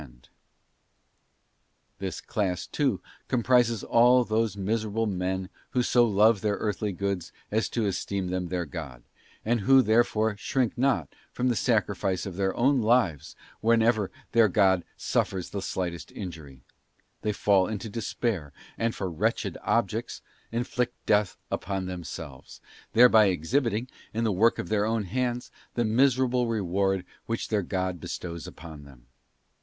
on bold This class, too, comprises all those miserable men who so shippers. Jove their earthly goods as to esteem them their god; and who therefore shrink not from the sacrifice of their own lives whenever their god suffers the slightest injury; they fall into despair, and for wretched objects inflict death upon them selves ; thereby exhibiting, in the work of their own hands, the miserable reward which their god bestows upon them.